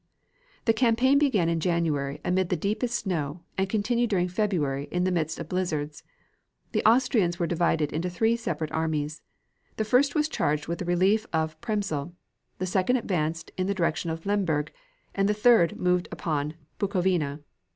The campaign began in January amid the deepest snow, and continued during February in the midst of blizzards. The Austrians were divided into three separate armies. The first was charged with the relief of Przemysl. The second advanced in the direction of Lemberg, and the third moved upon Bukovina.